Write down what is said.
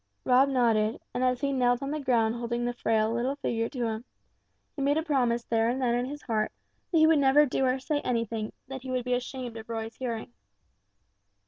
Rob nodded, and as he knelt on the ground holding the frail little figure to him, he made a promise there and then in his heart that he would never do or say anything that he would be ashamed of Roy's hearing.